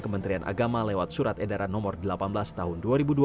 kementerian agama lewat surat edaran nomor delapan belas tahun dua ribu dua puluh